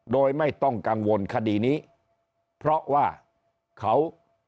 โดยไม่ต้องกังวลคดีนี้เพราะว่าเขา